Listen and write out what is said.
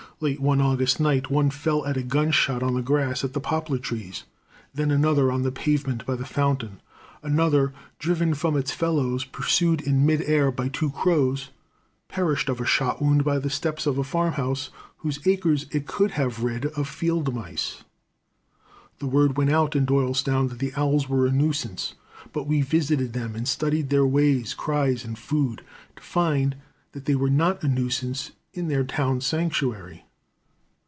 Late one August night one fell at a gun shot on the grass at the poplar trees. Then another on the pavement by the fountain. Another, driven from its fellows, pursued in mid air by two crows, perished of a shot wound by the steps of a farm house, whose acres it could have rid of field mice. The word went out in Doylestown that the owls were a nuisance. But we visited them and studied their ways, cries, and food, to find that they were not a nuisance in their town sanctuary.